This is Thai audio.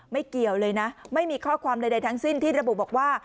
เกี่ยวเลยนะไม่มีข้อความใดทั้งสิ้นที่ระบุบอกว่า